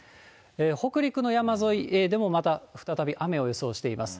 北陸の山沿いでもまた再び雨を予想しています。